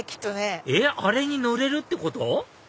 えっあれに乗れるってこと？